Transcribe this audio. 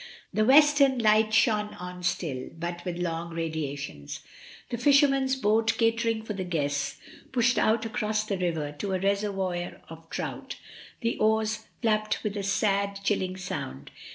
The western light shone on still, but with long radiations; the fisherman's boat, catering for the guests, pushed out across the river to the reser voir of trout, the oars flapped with a sad, chilling sound.